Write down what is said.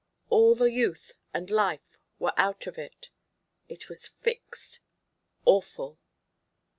All the youth and life were out of it. It was fixed, awful.